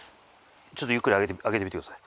ちょっとゆっくり上げてみてください。